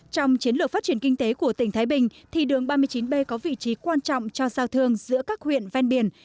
trong chiến lược phát triển kinh tế của tỉnh thái bình thì đường ba mươi chín b có vị trí quan trọng cho giao thương giữa các huyện ven biển